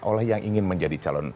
oleh yang ingin menjadi calon